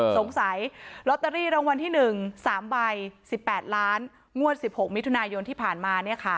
สงสัยลอตเตอรี่รางวัลที่๑๓ใบ๑๘ล้านงวด๑๖มิถุนายนที่ผ่านมา